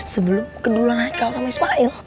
sebelum keduluan kau sama ismail